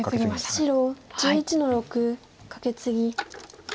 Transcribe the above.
白１１の六カケツギ。